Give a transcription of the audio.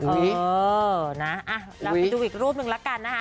เออนะเราไปดูอีกรูปหนึ่งละกันนะคะ